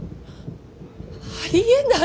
ありえない。